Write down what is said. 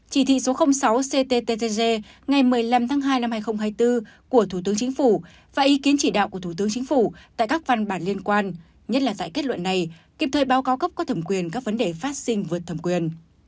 chỉ thị số sáu cttg ngày một mươi năm tháng hai năm hai nghìn hai mươi bốn của thủ tướng chính phủ và ý kiến chỉ đạo của thủ tướng chính phủ tại các văn bản liên quan nhất là tại kết luận này kịp thời báo cáo cấp có thẩm quyền các vấn đề phát sinh vượt thẩm quyền